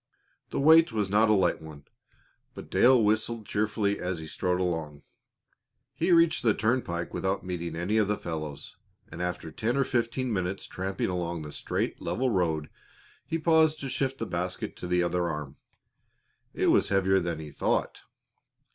The weight was not a light one, but Dale whistled cheerfully as he strode along. He reached the turnpike without meeting any of the fellows, and after ten or fifteen minutes' tramping along the straight, level road he paused to shift the basket to the other arm. It was heavier than he thought.